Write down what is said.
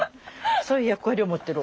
そういう役割を持ってる。